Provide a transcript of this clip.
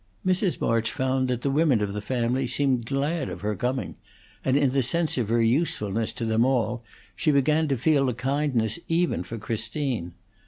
Mrs. March found that the women of the family seemed glad of her coming, and in the sense of her usefulness to them all she began to feel a kindness even for Christine.